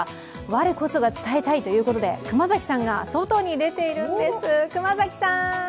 我こそは伝えたいということで熊崎さんが外に出ているんです。